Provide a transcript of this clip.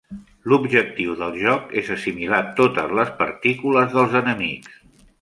L"objectiu del joc és assimilar totes les partícules dels enemics.